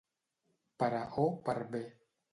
Per a o per b.